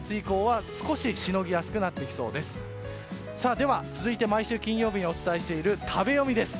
では、続いて毎週金曜日にお伝えしている食べヨミです。